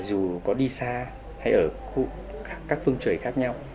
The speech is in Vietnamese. dù có đi xa hay ở các phương trời khác nhau